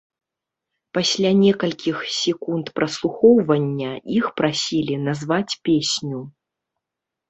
Пасля некалькіх секунд праслухоўвання іх прасілі назваць песню.